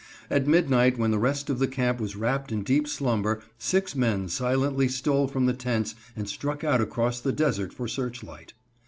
At midnight when the rest of the camp was wrapped in deep slumber six men silently stole from the tents and struck out across the desert for Searchlight.